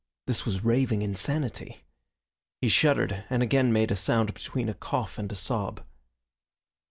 This was raving insanity. He shuddered, and again made a sound between a cough and a sob.